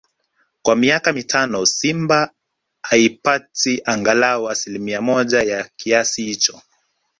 kwa miaka mitano Simba haipati angalau asilimia moja ya kiasi hicho